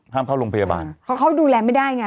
เข้าโรงพยาบาลเพราะเขาดูแลไม่ได้ไง